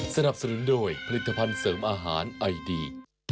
สนับสนุนโดยผลิตภัณฑ์เสริมอาหารไอดี